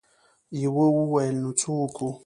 يوه وويل: نو څه وکو؟